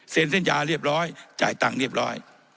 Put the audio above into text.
สัญญาเรียบร้อยจ่ายตังค์เรียบร้อย